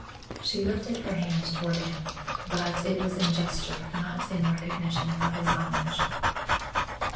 She lifted her hand toward him, but it was in gesture, not in recognition of his homage.